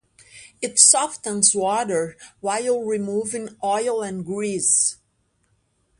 It softens water while removing oil and grease.